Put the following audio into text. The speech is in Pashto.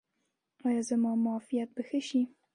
ایا زما معافیت به ښه شي؟